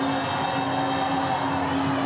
โอ้โอ้โอ้